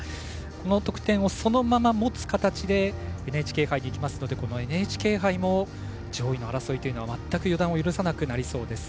この得点をそのまま持つ形でＮＨＫ杯にいきますのでＮＨＫ杯も上位の争いというのは全く予断を許さなくなりそうです。